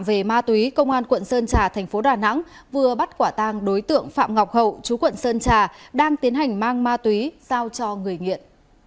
về ma túy công an quận sơn trà thành phố đà nẵng vừa bắt quả tang đối tượng phạm ngọc hậu chú quận sơn trà đang tiến hành mang ma túy giao cho người nghiện